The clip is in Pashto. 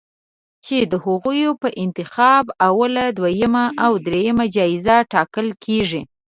چې د هغوی په انتخاب اوله، دویمه او دریمه جایزه ټاکل کېږي